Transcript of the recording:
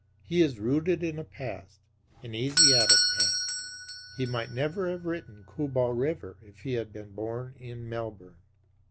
He is rooted in a past an Asiatic past. He might never have written "Kabul River" if he had been born in Melbourne.